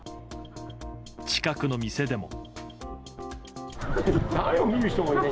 近くの店でも。